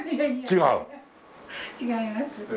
違います。